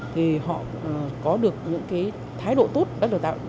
thì họ có được những cái thái độ tốt đã được tạo ra